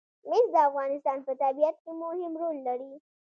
مس د افغانستان په طبیعت کې مهم رول لري.